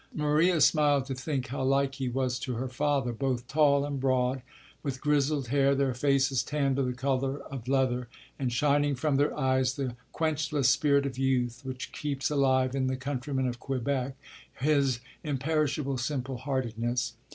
Maria smiled to think how like he was to her father; both tall and broad, with grizzled hair, their faces tanned to the colour of leather, and, shining from their eyes, the quenchless spirit of youth which keeps alive in the countryman of Quebec his imperishable simple heartedness.